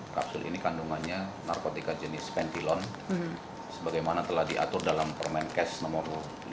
kapsul ini kandungannya narkotika jenis pentilon sebagaimana telah diatur dalam permen kes nomor lima puluh delapan